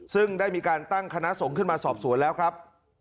ซึ่งได้มีการตั้งคณะสงฆ์ขึ้นมาสอบสวนแล้วครับ